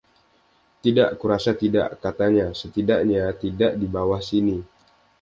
"Tidak, kurasa tidak," katanya: "setidaknya — tidak di bawah sini".